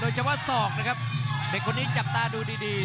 เฉพาะศอกนะครับเด็กคนนี้จับตาดูดีดี